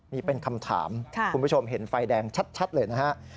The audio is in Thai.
นี่เป็นคำถามคุณผู้ชมเห็นไฟแดงชัดเลยนะฮะ